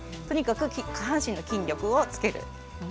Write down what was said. とにかく下半身の筋力をつける。